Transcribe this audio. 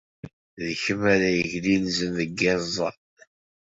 D kemm ara yeglilzen deg yiẓẓan.